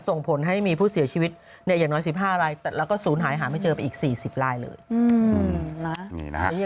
ส่งผลให้มีผู้เสียชีวิตอย่างน้อย๑๕รายแล้วก็ศูนย์หายหาไม่เจอไปอีก๔๐ลายเลย